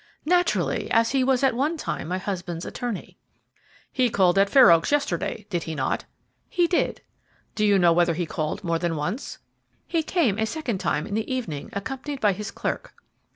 "Naturally, as he was at one time my husband's attorney." "He called at Fair Oaks yesterday, did he not?" "He did." "Do you know whether he called more than once?" "He came a second time, in the evening, accompanied by his clerk."